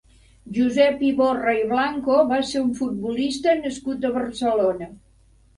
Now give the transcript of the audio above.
Josep Iborra i Blanco va ser un futbolista nascut a Barcelona.